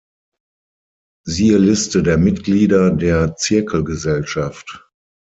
Siehe Liste der Mitglieder der Zirkelgesellschaft